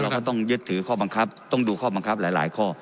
ก็ต้องยึดถือข้อบังคับต้องดูข้อบังคับหลายข้อ